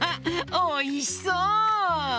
おいしそう！